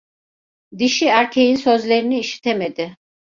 Dişi, erkeğin sözlerini işitemedi.